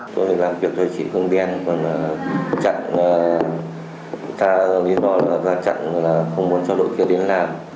tôi làm việc với chị hương đen chúng ta đi đó là ra chặn không muốn cho đội kia đến làm